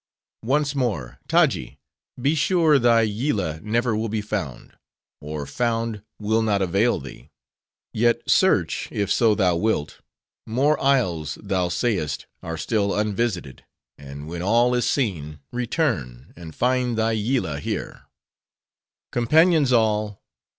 "Once more: Taji! be sure thy Yillah never will be found; or found, will not avail thee. Yet search, if so thou wilt; more isles, thou say'st, are still unvisited; and when all is seen, return, and find thy Yillah here. "Companions all!